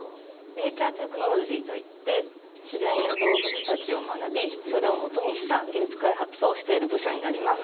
ネイチャ―テクノロジーといって自然や動物たちを学びそれを基にした技術開発をしている部署になります